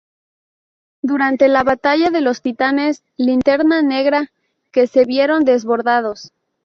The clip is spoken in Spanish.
Durante la batalla de los Titanes Linterna Negra, que se vieron desbordados.